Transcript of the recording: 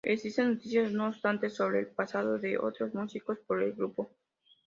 Existen noticias, no obstante, sobre el paso de otros músicos por el grupo.